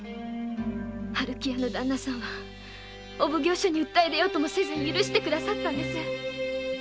春喜屋さんはお奉行所に訴え出ようともせずに許してくださったんです。